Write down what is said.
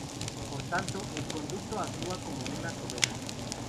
Por tanto, el conducto actúa como una tobera.